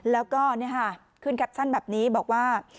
แล้วก็ขึ้นแบบนี้บอกว่า